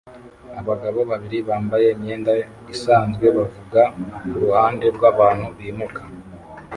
abagabo babiri bambaye imyenda isanzwe bavuga kuruhande rwabantu bimuka